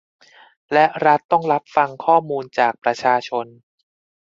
และรัฐต้องรับฟังข้อมูลจากประชาชน